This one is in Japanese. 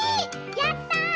やったぁ！